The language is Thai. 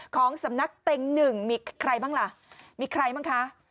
ของสำนักเต็งหนึ่งมีใครบ้างล่ะมีใครบ้างคะ